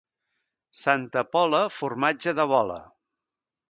Santa Pola, formatge de bola!